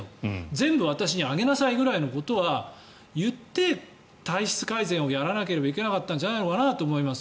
全部私に上げなさいぐらいのことは言って、体質改善をやらなければいけなかったんじゃないのかなと思います。